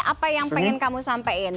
apa yang pengen kamu sampein